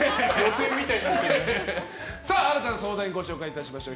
新たな相談員ご紹介いたしましょう。